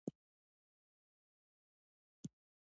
هغوی باید د خپلو کاليو ترتیب زده کړي.